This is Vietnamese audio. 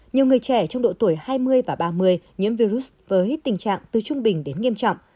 nhiều người trẻ trong độ tuổi hai mươi và ba mươi nhiễm virus với tình trạng từ trung bình đến nghiêm trọng